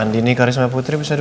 andini karisma putri bisa